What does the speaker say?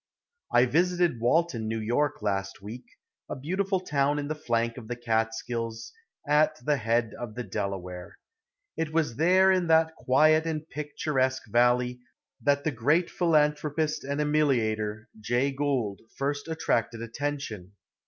} I visited Walton, N. Y., last week, a beautiful town in the flank of the Catskills, at the head of the Delaware. It was there in that quiet and picturesque valley that the great philanthropist and ameliator, Jay Gould, first attracted attention.